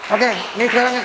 oke ini sekarang